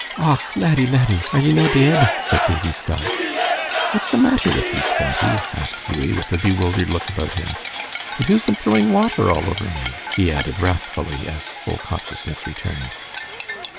"Och, laddie, laddie, are ye no deid?" said Davie Scotch. "What's the matter with you, Scottie?" asked Hughie, with a bewildered look about him. "And who's been throwing water all over me?" he added, wrathfully, as full consciousness returned.